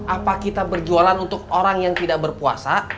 apa kita berjualan untuk orang yang tidak berpuasa